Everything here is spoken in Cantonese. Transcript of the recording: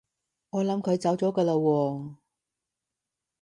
我諗佢走咗㗎喇喎